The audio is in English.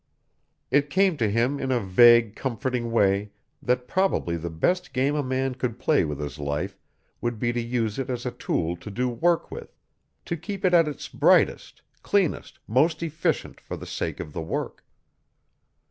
It came to him in a vague, comforting way that probably the best game a man could play with his life would be to use it as a tool to do work with; to keep it at its brightest, cleanest, most efficient for the sake of the work.